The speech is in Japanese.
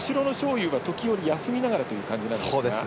勇が時折休みながらという感じなんですが。